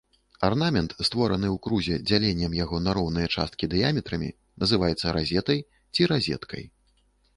Арнамент, створаны ў крузе дзяленнем яго на роўныя часткі дыяметрамі, называецца разетай, ці разеткай.